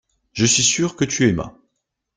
Je suis sûr que tu aimas.